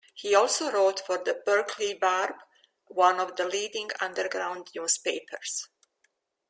He also wrote for the "Berkeley Barb", one of the leading underground newspapers.